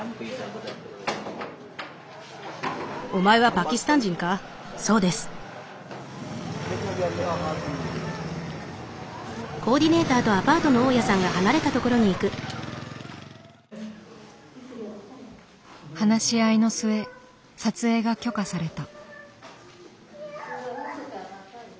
パキスタン人らしいけど。話し合いの末撮影が許可された。